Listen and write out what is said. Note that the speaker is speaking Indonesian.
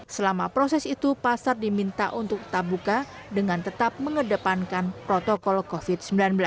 selama proses itu pasar diminta untuk tetap buka dengan tetap mengedepankan protokol covid sembilan belas